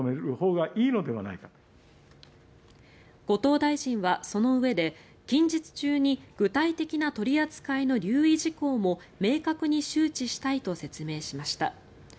後藤大臣はそのうえで近日中に具体的な取り扱いの留意事項も明確に周知したいと説明しました。